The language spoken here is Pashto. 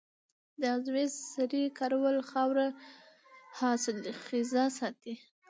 د عضوي سرې کارول خاوره حاصلخیزه ساتي.